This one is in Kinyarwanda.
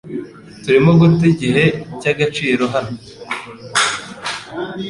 Turimo guta igihe cyagaciro hano .